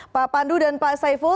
pak pandu dan pak saiful